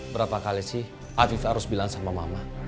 berapa kali sih afifa harus bilang sama mama